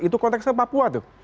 itu konteksnya papua tuh